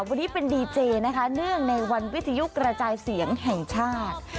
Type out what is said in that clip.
วันนี้เป็นดีเจนะคะเนื่องในวันวิทยุกระจายเสียงแห่งชาติ